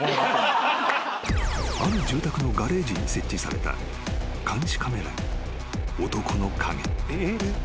［ある住宅のガレージに設置された監視カメラに男の影］